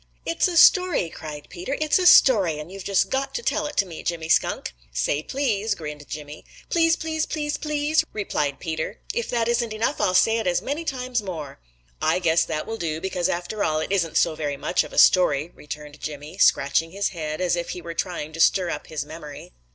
"It's a story!" cried Peter. "It's a story, and you've just got to tell it to me, Jimmy Skunk." "Say please," grinned Jimmy. "Please, please, please, please," replied Peter. "If that isn't enough, I'll say it as many times more." "I guess that will do, because after all it isn't so very much of a story," returned Jimmy, scratching his head as if he were trying to stir up his memory.